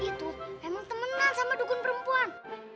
itu emang temenan sama dukun perempuan